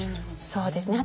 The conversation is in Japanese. そうですね。